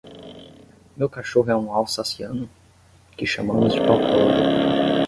Meu cachorro é um alsaciano? que chamamos de "papoula".